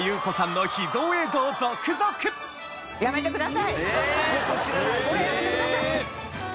さらにこれやめてください。